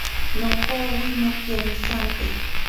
Te nokowi nokemisante.